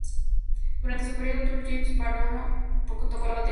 Durante su primer tour, James Barone tocó la batería.